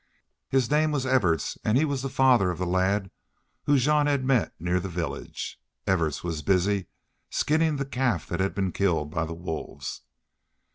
His name was Evans and he was father of the lad whom Jean had met near the village. Everts was busily skinning the calf that had been killed by the wolves.